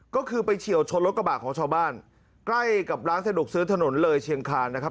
ก็คือไปเฉียวชนรถกระบาดของชาวบ้านใกล้กับร้านสะดวกซื้อถนนเลยเชียงคานนะครับ